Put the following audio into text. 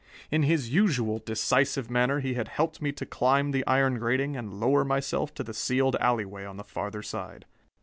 In his usual decisive manner he had helped me to climb the iron grating and lower myself to the sealed alley way on the farther side.